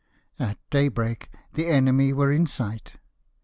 At daybreak the enemy were m sight.